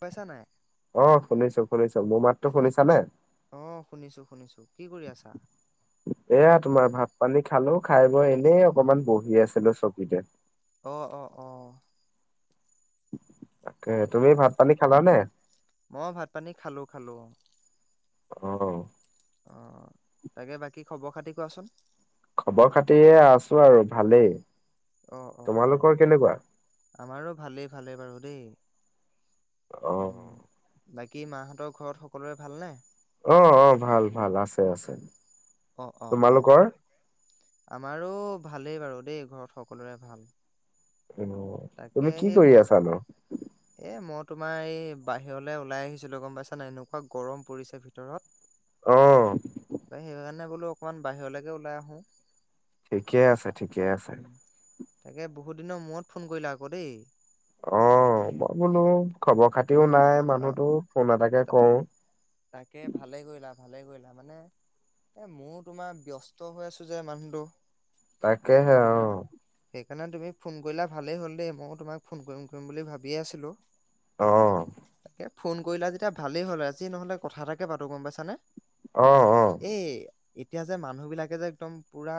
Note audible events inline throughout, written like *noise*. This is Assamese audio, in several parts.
পাইছা নাই? অঁ শুনিছো শুনিছো। মোৰ মাতটো শুনিছানে? অ শুনিছো শুনিছো, কি কৰি আছা? এইয়া তোমাৰ ভাত পানী খালো খায় বৈ এনেই অকনমান বহি আছিলো চকীতে। অ অ অ। তাকে তাই তুমি ভাত পানী খালা নে? মই ভাত পানী খালোঁ-খালোঁ অ'। অ'। অ', তাকে বাকী খবৰ খাতি কোৱাচোন। খবৰ-খাতি আছো আৰু ভালেই, অ' অ' অ' তোমালোকৰ কেনেকুৱা? আমাৰো ভালেই ভালেই বাৰু দেই। অ উম। বাকী মাহঁতৰ ঘৰত সকলোৰে ভাল নে? অ', অ', ভাল-ভাল আছে-আছে। অ', অ', অ', আমাৰো ভালেই বাৰু দেই ঘৰত সকলোৰে ভাল। অ', তাকে তুমি কি সেই কৰি বহুত আছানো? এ মই তোমাৰ এই বাহিৰলৈ ওলাই আহিছিলো গম পাইছানে, এনেকুৱা গৰম পৰিছে ভিতৰত। অ'। সেই কাৰণে বোলো অকনমান বাহিৰলৈকে ওলাই আহো। ঠিকেই আছে, ঠিকেই আছে। উম তাকে বহুত দিনৰ মূৰত ফোন কৰিলা আক দেই। অ', তাকে মই বোলো খবৰ খাতিও নাই অ'। মানুহতো, ফোন এটাকে কৰো। তাকে ভালেই কৰিলা ভালেই কৰিলা মানে এ মোৰ তোমাৰ ব্যস্ত হৈ আছো যে মানুহটো, তাকেহে তোমাৰ সেইকাৰণে তুমি ফোন কৰিলা ভালেই হ'ল দেই। ময়ো তোমাক ফোন কৰিম কৰিম বুলি ভাবিয়ে আছিলো। অ'। তাকে ফোন কৰিলা যেতিয়া ভালেই হ'ল, আজি নহলে কথা এটাকে পাতো গম পাইছানে? অ অ এ এতিয়া যে মানুহ বিলাকে যে একদম পুৰা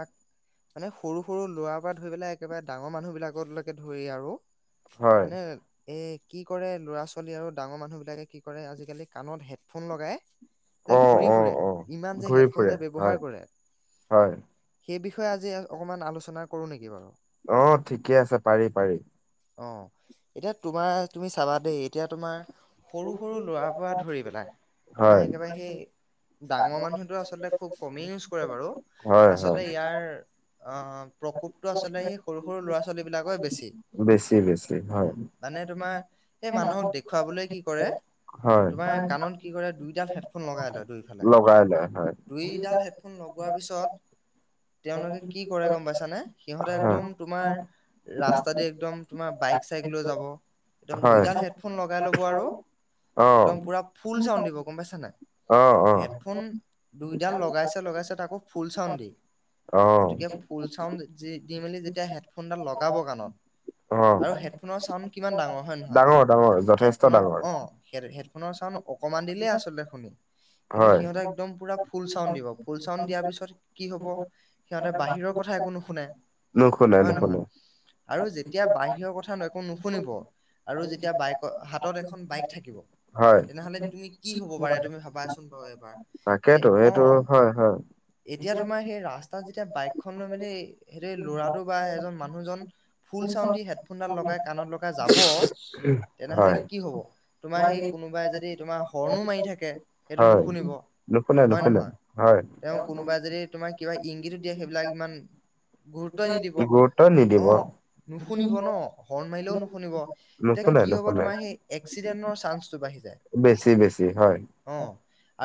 মানে সৰু-সৰু ল'ৰা পৰা ধৰি পেলাই একেবাৰে ডাঙৰ মানুহ বিলাকলৈকে ধৰি আৰু হয় মানে এ কি কৰে ল'ৰা ছোৱালী আৰু ডাঙৰ মানুহ বিলাকে কি কৰে আজিকালি কাণত হেড ফোন লগাই যে অ', ঘূৰি অ', ফুৰে, অ', ইমান যে ঘূৰি হেডফোন ফুৰে যে হয়, ব্যৱহাৰ কৰে হয়। সেই বিষয়ে আজি অকনমান আলোচনা কৰো নেকি বাৰু? অ', ঠিকে আছে পাৰি-পাৰি। অ', এতিয়া তোমাৰ তুমি চাবা দেই এতিয়া তোমাৰ সৰু-সৰু ল'ৰাৰ পৰা ধৰি পেলাই তোমাৰ হয়। একেবাৰে সেই ডাঙৰ মানুহেটো আচলতে খুব কমেই ইউজ কৰে বাৰু হয়, হয়। আচলতে ইয়াৰ অ', প্ৰকোপটো আচলতে সেই সৰু-সৰু ল'ৰা-ছোৱালী বিলাকৰহে বেছি। বেছি বেছি হয়, উম। মানে তোমাৰ সেই মানুহক দেখ দেখুৱাবলে কি কৰে, হয়, তোমাৰ কাণত কি কৰে দুইডাল হেডফোন লগাই লয় দুই ফালে, লগাই লয় হয়, দুইডাল হেডফোন লগোৱাৰ পিছত তেওঁলোকে কি কৰে গম পাইছানে, সিহঁতে হয়। একদম তোমাৰ ৰাস্তা দি একদম তোমাৰ বাইক-চাইক লৈ যাব, একদম হয়, দুইডাল হেডফোন লগাই ল'ব আৰু অ'। একদম পুৰা ফুল চাউণ্ড দিব গম পাইছা নাই? অ', হেডফোন দুইডাল লগাইছে লগাইছে তাকো ফুল চাউণ্ড দি। অ', অ', গতিকে ফুল চাউণ্ড দি মেলি যেতিয়া হেডফোনডাল লগাব কণত অ'। আৰু হেডফোনৰ চাউণ্ড কিমান ডাঙৰ হয় নহয়, ডাঙৰ ডাঙৰ যথেষ্ট হেডফোনৰ ডাঙৰ অ'। হেড-হেডফোনৰ চাউণ্ড অকমান দিলেই আচলতে শুনো। কিন্তু হয়। সিহঁতে একদম পুৰা ফুল চাউণ্ড দিব, ফুল চাউণ্ড দিয়াৰ পিছত কি হব, সিহঁতে বাহিৰৰ কথা একো নুশুনে নুশুনে হয় নুশুনে নহয়। আৰু যেতিয়া বাহিৰৰ কথা একো নুশুনিব আৰু যেতিয়া বাইকৰ, হাতত এখন বাইক থাকিব হয়, তেনেহলে তুমি কি হব পাৰা তুমি ভাবাচোন বাৰু এবাৰ তে তাকেতো অ। এইটো হয়, হয়, এতিয়া তোমাৰ সেই ৰাস্তাত যেতিয়া বাইকখন লৈ মেলি সেই ল'ৰাটো বা এজন মানুহজন। ফোল চাউণ্ড দি হেডফোনডাল লগাই কাণত লগাই যাব তেনেহলে হয়, কি হব তোমাৰ সেই কোনোবাই যদি তোমাৰ হৰ্ণো মাৰি থাকে। সেইটো হয়। নুশুনিব নুশুনে হয় নুশুনে নহয় হয়। তেওঁ কোনোবাই যদি তোমাৰ কিবা ইংগিতো দিয়ে সেইবিলাক ইমান গুৰুত্বই নিদিব, গুৰুত্ব নিদিব অ নুশুনিব ন হৰ্ণ মাৰিলেও নুশুনিব। এতিয়া নুশুনে কি হব নুশুনে তোমাৰ সেই এক্সিডেন্টৰ চান্সটো বাঢ়ি যায়। বেছি বেছি। হয়। অ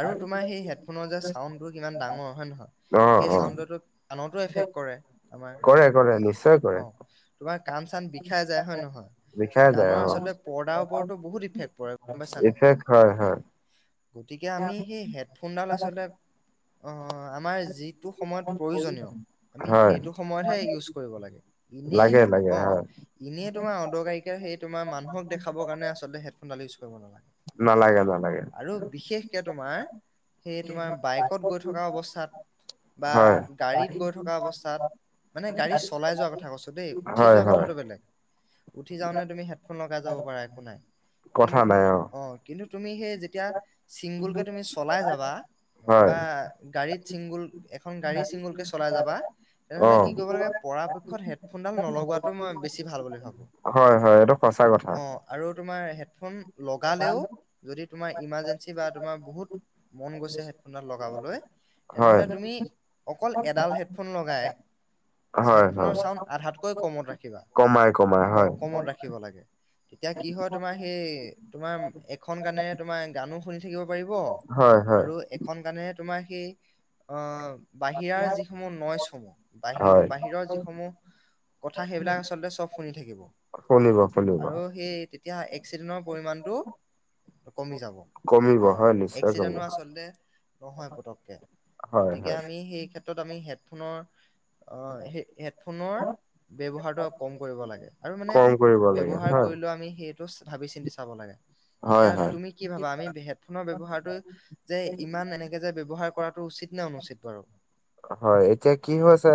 আৰু তোমাৰ সেই হেডফোনৰ যে চাউডটো কিমান ডাঙৰ হয় নহয় অ সেই অ চাউণ্ডটো কাণতো এফেক্ট কৰে আমাৰ, কৰে কৰে নিশ্চয় কৰে অ তোমাৰ কাণ চান বিষাই যায় হয় নহয় বিষাই যায় কাণৰ আচলতে পৰ্দাৰ উপৰটো বহুত ইফেক্ট পৰে। গম পাইছা নাই এফেক্ট হয় হয়। গতিকে আমি সেই হেড ফোনডাল আচলতে আমাৰ অ আমাৰ যিটো সময়ত প্ৰয়োজনীয়। আমি হয় সেইটো সময়তহে ইউজ কৰিব লাগে ইনে লাগে লাগে অ। হয় এনেই তোমাৰ অদৰকাৰীকে সেই তোমাৰ মানুহক দেখাবৰ কাৰণে আচলতে হেডফোনডাল ইউজ কৰিব নালাগে। নালাগে নালাগে আৰু বিশেষকে তোমাৰ। সেইয়ে তোমাৰ বাইকত গৈ থকা অৱস্থাত বা হয় গাড়িত গৈ থকা অৱস্থাত। মানে গাড়ী চলাই যোৱা কথা কৈছো দেই, উঠি হয় যোৱা হয় কথাটো বেলেগ। উঠি যাওঁ নে, তুমি হেডফোন লগাই যাব পাৰা একো নাই। কথা কিন্তু নাই অ অ কিন্তু তুমি সেই যেতিয়া চিংগুলকে তুমি চলাই যাবা হয় বা গাড়ীত চিংগুল এখন গাড়ী চিংগুলকে চলাই যাবা অ তেনেহ'লে কি কৰিব লাগে পৰাপক্ষত হেড ফোনডাল নলগোৱাটো মই বেছি ভাল বুলি ভাবোঁ। হয় হয় এইটো সচা কথা। আৰু তোমাৰ হেডফোন লগালেও। যদি তোমাৰ ইমাৰ্জেঞ্চি বা তোমাৰ বহুত মন গৈছে হেডফোনডাল লগাবলৈ হয় তেনেহলে তুমি অকল এডাল হেডফোন লগাই, হয় হয় হেডফোনৰ চাউণ্ড আধাতকৈ কমত ৰাখিবা। কমাই কমাই কম হয় কমত ৰাখিব লাগে। তেতিয়া কি হয় তোমাৰ সেই তোমাৰ এখন কানেৰে তোমাৰ গানো শুনি থাকিব পাৰিব হয় হয় আৰু এখন কানেৰে তোমাৰ সেই অ বাহিৰাৰ যিসমূহ নয়চসমূহ বাহি হয় বাহিৰৰ যিসমূহ কথা সেইবিলাক আচলতে চব শুনি থাকিব। শুলিব শুনিব। এতিয়া এস্কচিডেন পৰিমানটো কমি যাব কমিব অ হয় নিশ্চয় এক্সিদেনো কমিব আচলতে নহয় পতককে, হয় গতিকে হয় আমি সেই ক্ষেত্ৰ ত আমি হেডফোনৰ অ হে হেডফোনৰ ব্যৱহাৰটো কম কৰিব লাগে আৰু মানে কম কৰিব লাগে ব্যৱহাৰ হয় কৰিলেও আমি সেই টো ভাবি চিন্তি চাব লাগে, হয় এতিয়া হয় তুমি কি ভাবা আমি হে ড ফোনৰ ব্যৱহাৰটো যে ইমান এনেকে যে ব্যৱহাৰ কৰাটো উচিত নে, অনুচিত বাৰু? হয়, এতিয়া কি হৈছে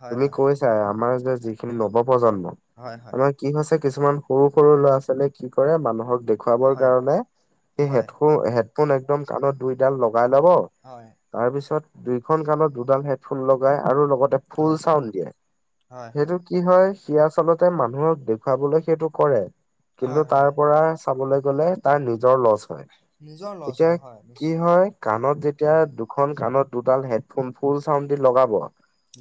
হয়, তুমি হয়, কৈছাই আমাৰ যেতিয়া যিখিনি নৱ- প্ৰজন্ম, হয়, হয়, আমাৰ কি হৈছে কিছুমান সৰু সৰু ল'ৰা- ছোৱালীয়ে কি কৰে মানুহক দেখ দেখুৱাবৰ হয়, কাৰণে সেই হয়, হেডফোন হেডফোন একদম কাণত দুইডাল লগাই ল'ব হয়, তাৰপিছত দুইখন কাণত দুডাল হেডফুন লগাই আৰু লগতে ফুল অ', চাউণ্ড দিয়ে। হয়, হয়, সেইটো কি হয়, সি আচলতে মানুহক দেখুৱাবলৈ সেইটো কৰে, কিন্তু হয়, তাৰ হয়, পৰা চাবলৈ গ'লে তাৰ নিজৰ লছ হয়, নিজৰ লছ এতিয়া হয়, হয়, কি নিশ্চয় হয় কাণত যে এতিয়া দুখন কাণত দুডাল হেডফোন ফুল চাউণ্ড দি লগাব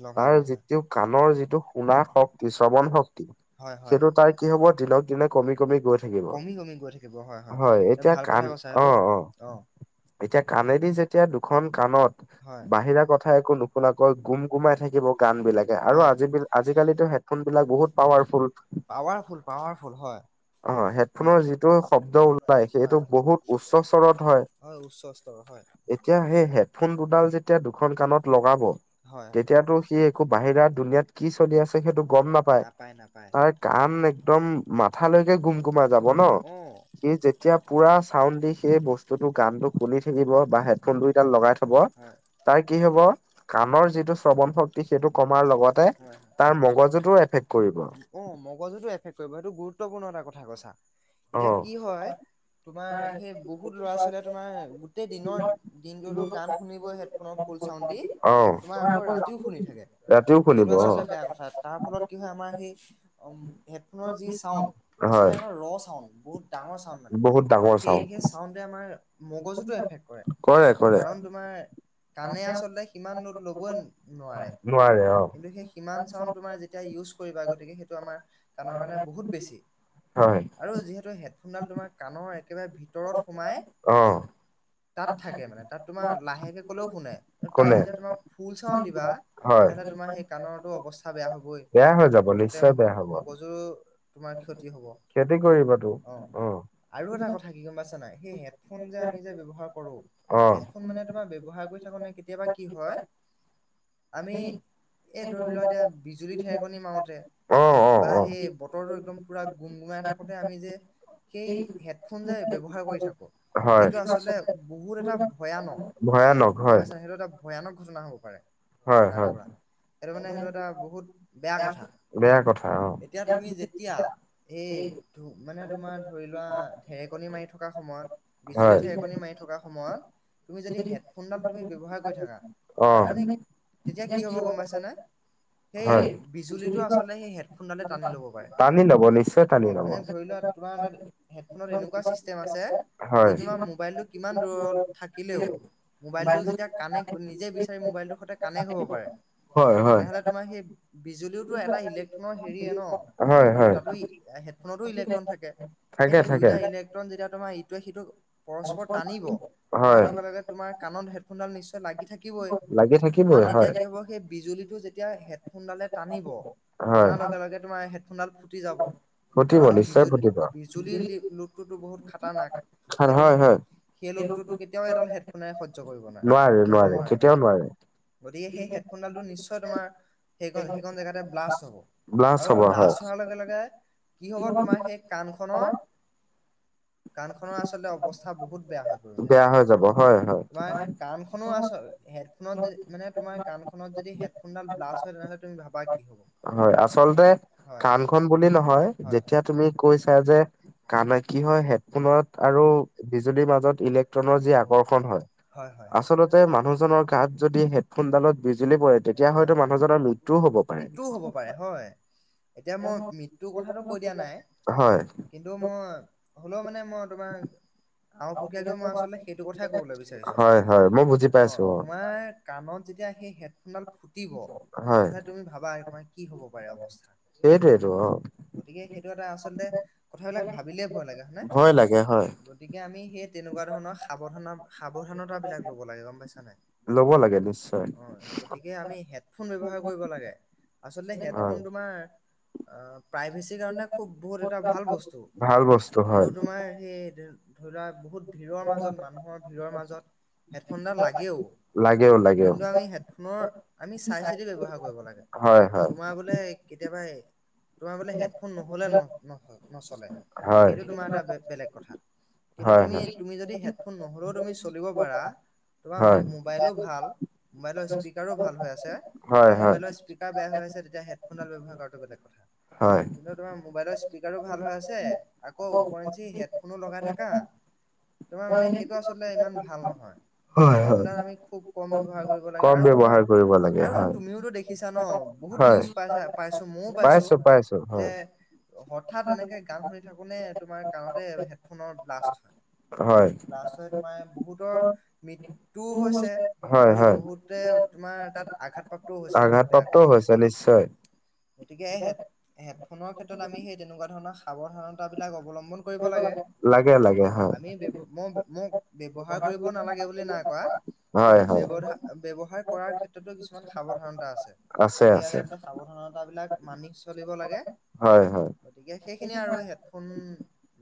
লগাব তাৰ হয়। যিটো কাণৰ যিটো শুনা শক্তি শ্ৰৱণ শক্তি হয়, হয়, সেইটো তাৰ কি হ'ব দিনক দিনে কমি কমি গৈ থাকিব। কমি কমি গৈ থাকিব হয়, এতিয়া ভাল কথা কাণ কৈছা অ' সেইটো অ' এতিয়া কাণেদি যেতিয়া দুখন কাণত হয়, বাহিৰা কথা একো নুশুনাকৈ গুম গুমাই থাকিব কান বিলাকে আৰু হয়, আজি আজিকালিটো হেড ফোন বিলাক বহুত powerful. Powerful powerful হয়, অ। এইটো শব্দ ওলাই সেইটো বহুত উচ্চ স্বৰত হয়। উচ্চ স্তৰ হয়। এতিয়া সেই হেডফোন দুডাল যেতিয়া দুখন কাণত লগাব, হয় হয় তেতিয়াতো সি একো বাহিৰা দুুনীয়াত কি চলি আছে সেইটো গম নাপায়, তাৰ কাণ একদম মাথালৈকে গুম গুমাই যাব ন। অ সি যেতিয়া পুৰা চাউণ্ড দি সেই বস্তুতটো গানটো শুনি থাকিব বা হয় হেডফোন দুই দাল লগাই থ'ব, হয় তাৰ কি হ'ব কাণৰ যিটো শ্ৰৱণ শক্তি সেইটো কমাৰ লগতে হয় হয়। তাৰ মগজুটো এফেক্ট কৰিব। অ' মগজুটো এফেক্ট কৰিব এইটো গুৰুত্বপূৰ্ণ এটা কথা কৈছা, এতিয়া কি হয় তোমাৰ সেই বহুত ল'ৰা-ছোৱালীয়ে তোমাৰ গোটেই দিনৰ দিনটো গান শুনিবই হেডফোনত ফুল চাউণ্ড দি, অ তোমাৰ আকৌ ৰাতিও শুনি থাকে। ৰাতিও শুনিব সেইটো অ আঁচলতে বেয়া কথা, তাৰ ফলত কি হয় আমাৰ সেই হেডফোনৰ যি চাউণ্ড আচলতে হয় এটা ৰ চাউণ্ড বহুত ডাঙৰ চাউণ্ড মানে, বহুত ডাঙৰ সেই সেই চাউণ্ড ৱে আমাৰ মগজুটো এফেক্ট কৰে, কাৰণ তোমাৰ কাণে আঁচলতে সিমান ল'ড ল'বই নোৱাৰে। নোৱাৰে অ কিন্তু সেই সিমান চাউণ্ড তোমাৰ যেতি এটিয়া ইউজ কৰিবা, গতিকে সেইটো আমাৰ কাণৰ কাৰণে বহুত বেছি। হয় আৰু যিহেতু হেডফোনডাল তোমাৰ কাণৰ একেবাৰে ভিতৰত সোমাই, অ তাত থাকে মানে তাত তোমাৰ লাহেকৈ ক'লেও শুনে। তাত কোনে যেতিয়া তোমাৰ ফুল চাউণ্ড দিবা তেন্তে তোমাৰ হয় সেই কাণৰটো অৱস্থা বেয়া হ'বই, বেয়া হৈ যাব লগতে নিশ্চয় বেয়া হ'ব মগজুৰ তোমাৰ ক্ষতি হ'ব। ক্ষতি কৰিব টো। অ'। আৰু এটা কথা কি গম পাইছা নাই সেই হেডফোন যে আমি যে ব্যৱহাৰ কৰো অ হেড ফোন মানে তোমাৰ ব্যৱহাৰ কৰি থাকোতেনে কেতিয়াবা কি হয়, আমি এইটো ধৰি লোৱা এতিয়া বিজুলী ঢেৰেকনি মাৰোতে অ অ বা অ সেই বতৰটো একদম পূৰা গুমগুমাই থাকোঁতে আমি যে সেই হেডফোন যে ব্যৱহাৰ কৰি থাকোঁ, হয় সেইটো আঁচলতে বহুত এটা ভয়ানক, ভয়ানক গম হয় পাইছা সেইটো এটা ভয়ানক ঘটনা হ'ব পাৰে। হয় তাৰ হয়। পৰা সেইটো, মানে সেইটো এটা বহুত বেয়া কথা, বেয়া কথা অ এতিয়া তুমি যেতিয়া এই মানে তোমাৰ ধৰি লোৱা, ঢেৰেকণি মাৰি থকা সময়ত হয় বিজুলী-ঢেৰেকনি মাৰি থকা সময়ত তুমি যদি হেডফোনডাল তুমি ব্যৱহাৰ কৰি থাকা, অ আৰু মানে তেতিয়া, কি হ'ব গম পাইছা নে? সেই, হয় বিজুলীটো আচলতে সেই হেডফোনডালে টানি ল'ব পাৰে, টানি ল'ব নিশ্চয় অ, টানি ল'ব মানে ধৰি লোৱা তোমাৰ তাত হেডফোনত এনেকুৱা চিষ্টেম আছে যি, হয় তোমাৰ মোবাইলটো কিমান দূৰত থাকিলেও, মোবাইলটো যেতিয়া কানেক নিজেই বিচাৰি, মোবাইলটোৰ সৈতে কানেক্ট হ'ব পাৰে। হয় তেনেহ'লে, তোমাৰ সেই বিজুলীওতো এটা ইলেক্ট্ৰনৰ হেৰিয়ে ন'? হয় হয় আৰু হয় তাতো, হেডফোনটো ইলেক্ট্ৰন থাকে, এই থাকে দুয়োটা থাকে ইলেক ট্ৰন যেতিয়া, তোমাৰ ইটোৱে সিটোক পৰস্পৰ টানিব, টনাৰ হয় লগে লগে তোমাৰ কাণত হেডফোনডাল নিশ্চয় লাগি থাকিবই? লাগি থাকে তোমাৰ তেতিয়া কি হ'ব? সেই বিজুলীটো যেতিয়া হেডফোনডালে টানিব, হয়। টনাৰ লগে লগে তোমাৰ হেড ফোনডাল ফুটি যাব, ফুটিব কাৰণ নিশ্চয় বিজুল, ফুটিব বিজুলীৰ লো, লোডটোতো বহুত খাতাৰনাক। হয়, হয়। সেই লোডটোতো কেতিয়াও এডাল হেডফোনে সহ্য কৰিব নোৱাৰে, ল'ব নোৱাৰে। গতিকে, সেই হেডফোনডালটো নিশ্চয় তোমাৰ সে, সেইকন জেগাতে ব্লাষ্ট হ'ব, ব্লাছ আৰু হ'ব হয় ব্লাষ্ট লগে লগে কি হ'ব, তোমাৰ সেই কাণখনৰ কাণখনৰ আচলতে অৱস্থা বহুত বেয়া হৈ বেয়া হৈ যাব হয় হয় পৰিব। তোমাৰ কাণখনৰ, *unintelligible* হেডফোনত যদি মানে তোমাৰ কাণখনত যদি হেডফোনডাল ব্লাষ্ট হয়, তেনেহ'লে তুমি ভাবা কি হ'ব? হয়, আচলতে হয়। কাণখন বুলি নহয়, হয় হয় যেতিয়া তুমি কৈছা যে *unintelligible* কি হয়, হেডফোনত আৰু বিজুলীৰ মাজত ইলেক্ট্ৰনৰ যি আকৰ্ষণ হয়। আচলতে, মানুহজনৰ গাত যদি হেড ফোনডালত বিজুলী পৰে, তেতিয়া হয়তো হয়। মানুহজনৰ মৃতুও হ'ব পাৰে। *inaudible* মৃত্যুও হ'ব পাৰে হয়। এতিয়া মই মৃত্যুৰ কথাটো কৈ দিয়া নাই হয়। *unintelligible* হ'লেও মানে মই তোমাৰ আওপকীয়াকৈ মই আচলতে সেইটো কথাই ক'বলৈ বিচাৰিছো। হয় হয় মই বুজি অ, পাইছো তোমাৰ কাণত যেতিয়া, সেই হেডফোনডাল ফুটিব, হয় তেনেহ'লে তুমি ভাবা এবাৰ কি হ'ব পাৰে অৱস্থা? সেইটোৱেটো অ। গতিকে, সেইটো এটা আচলতে কথাবিলাক ভাবিলেই ভয় লাগে হয় নে? ভয় লাগে হয় গতিকে, আমি সেই তেনেকুৱা ধৰণৰ সাৱধান, সাৱধানতাবিলাক ল'ব লাগে, গম পাইছা নে নাই? ল'ব লাগে, নিশ্চ অ গতিকে, আমি হেডফোন ব্যৱহাৰ কৰিব, আচলতে হয় হেডফোন তোমাৰ অ প্ৰাইভেচিৰ কাৰণে খুব বহুত এটা ভাল বস্তু। ভাল বস্তু আৰু হয় তোমাৰ সেই ধৰি লোৱা বহুত ভিৰৰ মাজত, মানুহৰ ভিৰৰ মাজত হেডফোনডাল লাগেও। লাগেও লাগেও কিন্তু আমি হেডফোনৰ আমি চাই চিতি ব্যৱহাৰ কৰিব লাগে, হয় হয় তোমাৰ বোলে *unintelligible* তোমাৰ বোলে হেডফোন নহ'লে নহ-নচলে, হয় সেইটো তোমাৰ এটা বে-বেলেগ কথা। কিন্তু হয় তুমি, তুমি যদি হেডফোন নহ'লেও তুমি চলিব পাৰা তোমাৰ হয় হয় মো-মোবাইলো ভাল, মোবাইলৰ স্পীকাৰো ভাল হৈ আছে, হয় হয় তেতিয়া মোবাইলত স্পীকাৰ বেয়া হৈ আছে, তেতিয়া হেডফোনডাল ব্যৱহাৰ কৰাটো বেলেগ কথা। কিন্তু, তোমাৰ মোবাইলৰ স্পীকাৰো ভাল হৈ আছে, আকৌ উপৰঞ্চি হেডফোনো লগাই থাকা। তোমাৰ মানে সেইটো আচলতে ইমান ভাল নহয়, হয় হয় হয় হেডফোনডাল আমি খুব কম ব্যৱহাৰ কৰিব কম লাগে আৰু ব্যৱহাৰ তোমাৰ কৰিব লাগে আৰু এইটো হয় তুমিওতো দেখিছা ন বহুত হয় নিউজ পাইছা, পাইছো মইও পাইছো *unintelligible* যে হয়। হঠাৎ এনেকে গান শুনি থাকোতে তোমাৰ কানতে হেডফোনৰ ব্লাষ্ট হয়। ব্লাষ্ট হৈ তোমাৰ বহুতৰ মৃত্যুও হৈছে। হয় আৰু হয় বহুতে তোমাৰ তাত আঘাত প্ৰাপ্তও হৈছে বহুত আঘাতপ্ৰাপ্তও বেয়াকৈ। হৈছে নিশ্চয় গতিকে হেড-হেডফোনৰ ক্ষেত্ৰত আমি সেই তেনেকুৱা ধৰণৰ সাৱধানতাবিলাক অৱলম্ব লাগে। লাগে অ', হয় আমি ব্যব, মই-মই ব্যৱহাৰ কৰিব নালাগে বুলি নাই কোৱা হয় কিন্তু ব্যবধা, ব্যৱহাৰ কৰাৰ হয় ক্ষেত্ৰতো কিছুমান সাৱধানতা আছে সেয়া আচলতে সাৱধানতাবিলাক মানি চলিব লাগে হয় গতিকে সেইখিনি আৰু ফোন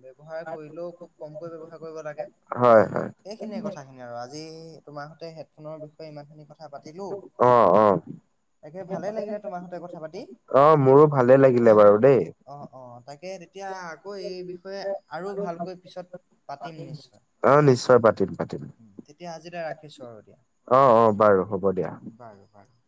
ব্যৱহাৰ কৰিলেও খুব কমকৈ ব্যৱহাৰ কৰিব লাগে। হয়, সেইখিনিয়ে কথাখিনি। আৰু আজি তোমাৰ হতে হেডফোনৰ বিষয়ে ইমান খিনি কথা পাতিলো। অ অ তাকে ভালে লাগিলে তোমাৰ সতে কথা পাতি। অ মোৰো ভালে লাগিলে বাৰু দেই। অ', অ', তাকে তেতিয়া আকৌ এই বিষয়ে আৰু ভালকৈ পিছত পাতিম নিশ্চয়, অ নিশ্চয় পাতিম পাতিম তেতিয়া আজিলৈ ৰাখি *unintelligible* আৰু দিয়া, অ অ বাৰু হ'ব দিয়া। বাৰু বাৰু।